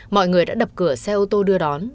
mọi người đã đập cửa xe ô tô đưa đón